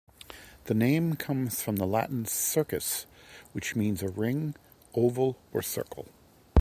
The name comes from the Latin 'circus', which means a ring, oval or circle.